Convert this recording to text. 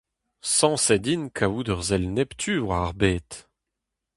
Sañset int kaout ur sell neptu war ar bed.